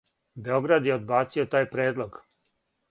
Београд је одбацио тај предлог.